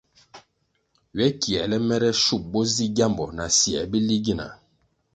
Ywe kiēle mere shup bo zi gyambo na syē bili gina?